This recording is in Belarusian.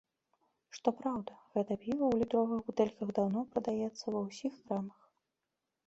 Што праўда, гэта піва ў літровых бутэльках даўно прадаецца ва ўсіх крамах.